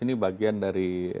ini bagian dari